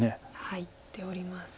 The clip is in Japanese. いっております。